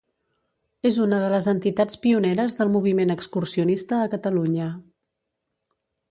És una de les entitats pioneres del moviment excursionista a Catalunya.